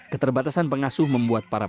keterbatasan pengasuh membuat pariwisata